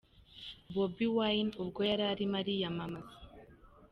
Bobi Wine ubwo yari arimo kwiyamamaza.